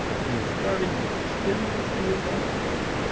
He is starting with the stimulus to his habit.